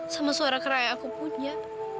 sama suara kera yang aku punya